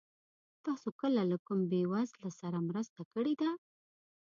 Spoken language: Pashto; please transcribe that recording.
تاسو کله له کوم بېوزله سره مرسته کړې ده؟